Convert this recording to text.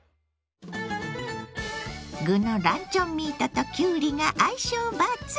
具のランチョンミートときゅうりが相性抜群！